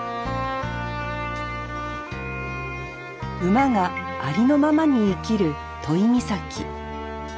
馬がありのままに生きる都井岬。